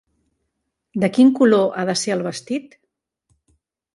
De quin color ha de ser el vestit?